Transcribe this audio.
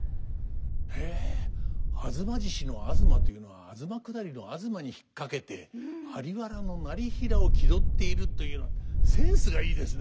へえ「吾妻獅子」の吾妻というのは東下りの東に引っ掛けて在原業平を気取っているというのはセンスがいいですね。